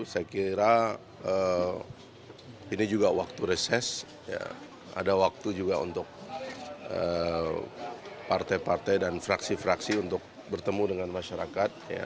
saya kira ini juga waktu reses ada waktu juga untuk partai partai dan fraksi fraksi untuk bertemu dengan masyarakat